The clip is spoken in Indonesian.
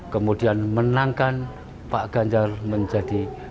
kemudian menangkan pak ganjar menjadi